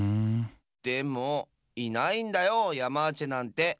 でもいないんだよヤマーチェなんて！